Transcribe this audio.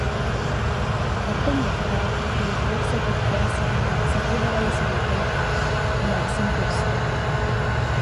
Орто уҥуохтаах, бэйэтигэр сөп эттээх-сииннээх сытыы баҕайы сирэйдээх эмээхсин көрүстэ